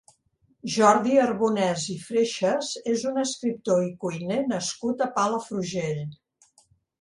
Jordi Arbonès i Freixas és un escriptor i cuiner nascut a Palafrugell.